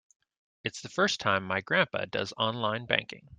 It's the first time my grandpa does online banking.